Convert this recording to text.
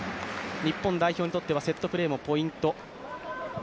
日本代表にとってはセットプレーもポイント。